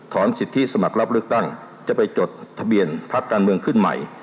สิทธิสมัครรับเลือกตั้งจะไปจดทะเบียนพักการเมืองขึ้นใหม่